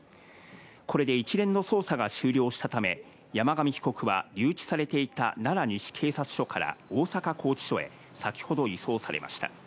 これで一連の捜査が終了したため、山上被告は留置されていた奈良西警察署から大阪拘置所へ先ほど移送されました。